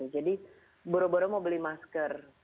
jadi boro boro mau beli masker